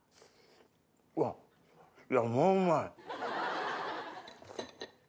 わっもううまい。